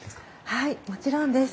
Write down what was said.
はいもちろんです。